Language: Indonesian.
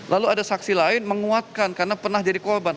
lalu ada saksi lain menguatkan karena pernah jadi korban